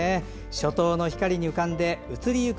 初冬の光に浮かんで移りゆく